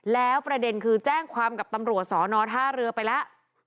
แล้วประเด็นคือแจ้งความกับตำรวจสอนอท่าเรือไปแล้ว